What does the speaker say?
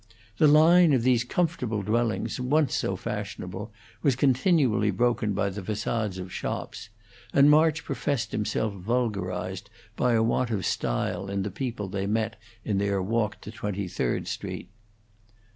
The line of these comfortable dwellings, once so fashionable, was continually broken by the facades of shops; and March professed himself vulgarized by a want of style in the people they met in their walk to Twenty third Street.